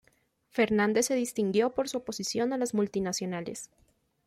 Fernandes se distinguió por su oposición a las multinacionales.